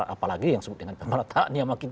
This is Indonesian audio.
apalagi yang sebut dengan pemerataan yang makin